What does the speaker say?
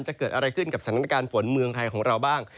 จะเกิดอะไรขึ้นกับสถานการณ์ฝนเมืองไทยของเราบ้าง